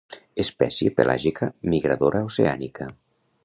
Espècie pelàgica migradora oceànica.